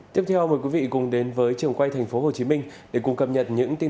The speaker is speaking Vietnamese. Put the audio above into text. tiếp theo mời quý vị cùng đến với trường quay thành phố hồ chí minh để cùng cập nhật những tin